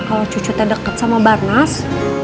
kalo cucutnya deket sama barnas